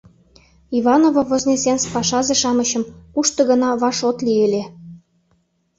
Иваново-Вознесенск пашазе-шамычым кушто гына ваш от лий ыле?